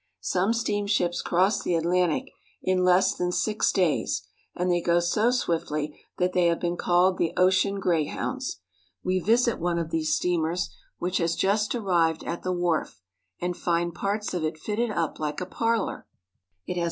Some steamships cross the An Oc Atlantic in less than six days, and they go so swiftly that they, have been called the ocean greyhounds. We visit one of these steamers, which has just arrived at the wharf, and find parts of it fitted up like a parlor. It has large CARP. N. AM.